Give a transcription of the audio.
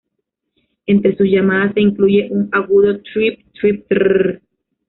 Entre sus llamadas se incluye un agudo "triiip-triip-trrrrrr".